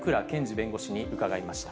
弁護士に伺いました。